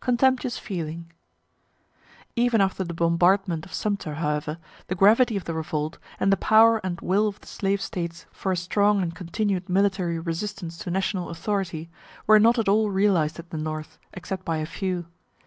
CONTEMPTUOUS FEELING Even after the bombardment of Sumter, however, the gravity of the revolt, and the power and will of the slave States for a strong and continued military resistance to national authority, were not at all realized at the North, except by a few.